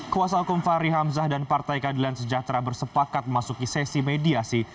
kuasa hukum fahri hamzah dan partai keadilan sejahtera bersepakat memasuki sesi mediasi